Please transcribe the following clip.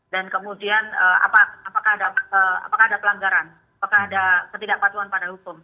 dan kemudian apakah ada pelanggaran apakah ada ketidakpatuan pada hukum